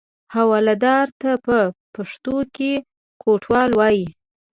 حوالهدار ته په پښتو کې کوټوال وایي.